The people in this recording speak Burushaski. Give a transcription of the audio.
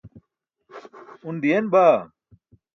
un diyen baa